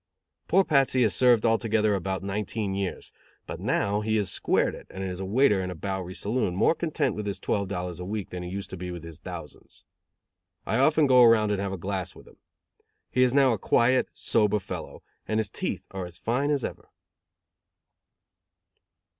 Poor Patsy has served altogether about nineteen years, but now he has squared it, and is a waiter in a Bowery saloon, more content with his twelve dollars a week than he used to be with his thousands. I often go around and have a glass with him. He is now a quiet, sober fellow, and his teeth are as fine as ever.